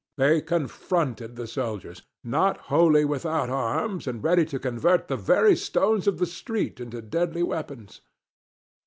They confronted the soldiers, not wholly without arms and ready to convert the very stones of the street into deadly weapons.